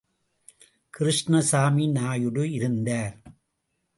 கிருஷ்ணசாமி நாயுடு இருந்தார்.